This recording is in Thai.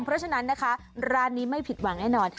เพราะฉะนั้นนะคะร้านนี้ไม่ผิดหวังแน่นอน